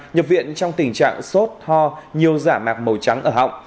nhập viện trong tình trạng sốt ho nhiều giả mạc màu trắng ở họng